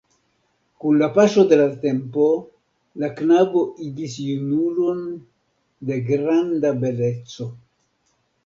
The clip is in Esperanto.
Kun la paŝo de la tempo, la knabo igis junulon de granda beleco.